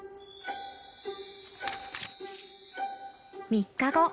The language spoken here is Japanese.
３日後。